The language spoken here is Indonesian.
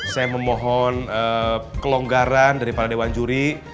saya memohon kelonggaran dari para dewan juri